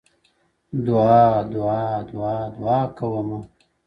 • دعا ـ دعا ـدعا ـ دعا كومه ـ